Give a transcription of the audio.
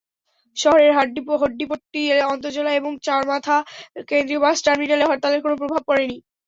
শহরের হাড্ডিপট্টি আন্তজেলা এবং চারমাথা কেন্দ্রীয় বাস টার্মিনালে হরতালের কোনো প্রভাব পড়েনি।